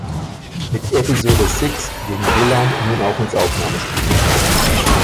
Mit Episode Six ging Gillan nun auch ins Aufnahmestudio.